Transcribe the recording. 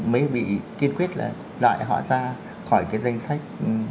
mới bị kiên quyết là loại họ ra khỏi cái danh sách